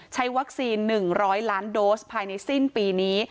ใช้วัคซีน๑๐๐ล้านโดสภายในสิ้นปีนี้